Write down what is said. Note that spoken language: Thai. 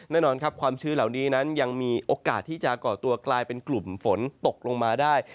แน่นอนครับความชื้นเหล่านี้นั้นยังมีโอกาสที่จะก่อตัวกลายเป็นกลุ่มฝนตกลงมาได้